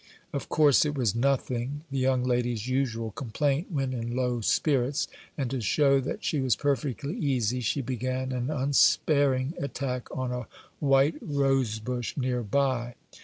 Of course it was "nothing," the young lady's usual complaint when in low spirits; and to show that she was perfectly easy, she began an unsparing attack on a white rosebush near by.